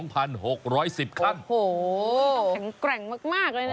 แกร่งมากเลยนะฮะ